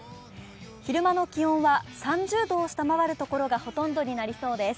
昼間の気温は３０度を下回るところがほとんどになりそうです。